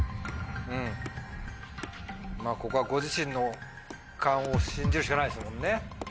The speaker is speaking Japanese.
うんまぁここはご自身の勘を信じるしかないですもんね。